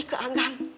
ini ke agan